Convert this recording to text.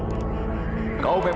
kau memang cinta aku